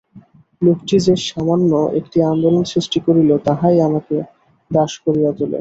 লোকটি যে সামান্য একটি আন্দোলন সৃষ্টি করিল, তাহাই আমাকে দাস করিয়া তোলে।